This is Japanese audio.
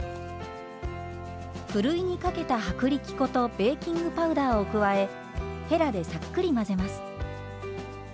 ふるいにかけた薄力粉とベーキングパウダーを加えへらでさっくり混ぜます。